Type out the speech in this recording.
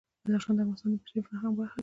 بدخشان د افغانستان د بشري فرهنګ برخه ده.